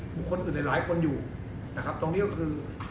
มีคนอื่นหรือหลายคนอยู่ตรงนี้ก็คือ